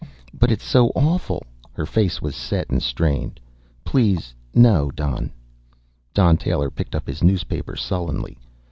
"But it's so awful!" Her face was set and strained. "Please, no, Don." Don Taylor picked up his newspaper sullenly.